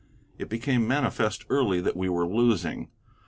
It became manifest early that we were losing.